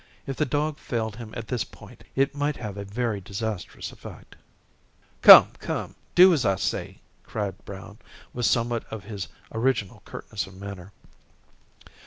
If the dog failed him at this point it might have a very disastrous effect. "Come, come; do as I say," cried Brown with somewhat of his original curtness of manner.